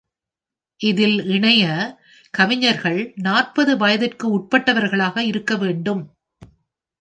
இதில் இணைய கவிஞர்கள் நாற்பது வயதுக்கு உட்பட்டவர்களாக இருக்கவேண்டும்.